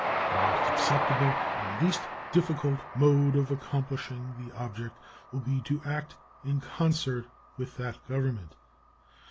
The most acceptable and least difficult mode of accomplishing the object will be to act in concert with that Government.